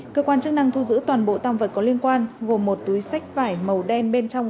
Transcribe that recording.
cơ quan chức năng thu giữ toàn bộ tam vật có liên quan gồm một túi sách vải màu đen bên trong